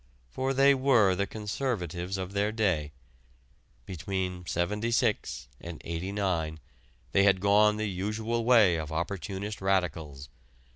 For they were the conservatives of their day: between '76 and '89 they had gone the usual way of opportunist radicals.